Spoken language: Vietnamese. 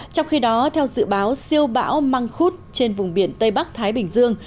trong khi đó theo dự báo siêu bão mang khút trên vùng biển tây bắc thái bình dương